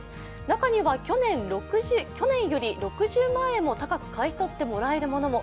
中には去年より６０万円も高く買い取ってもらえるものも。